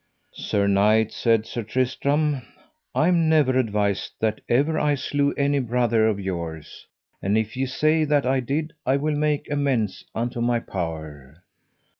Sir knight, said Sir Tristram, I am never advised that ever I slew any brother of yours; and if ye say that I did I will make amends unto my power.